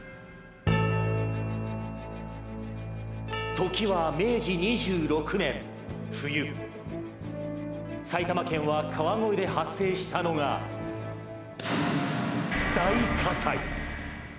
時は明治２６年冬、埼玉県は川越で発生したのが大火災。